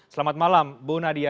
selamat malam bu nadia